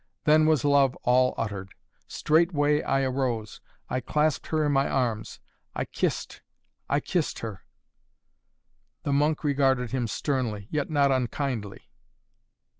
Then was love all uttered. Straightway I arose. I clasped her in my arms. I kissed I kissed her " The monk regarded him sternly, yet not unkindly.